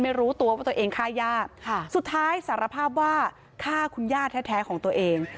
ไม่รู้ตัวว่าตัวเองฆ่าย่าสุดท้ายสารภาพว่าฆ่าคุณย่าแท้ของตัวเอง